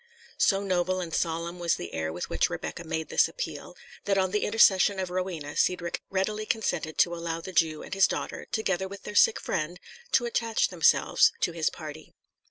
So noble and solemn was the air with which Rebecca made this appeal, that on the intercession of Rowena Cedric readily consented to allow the Jew and his daughter, together with their sick friend, to attach themselves to his party.